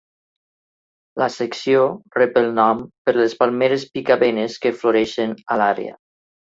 La secció rep el nom per les palmeres picabenes que floreixen a l'àrea.